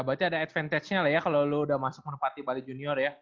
berarti ada advantage nya kalau lu udah masuk merpati bali junior ya